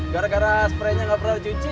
gara gara spreynya gak pernah dicuci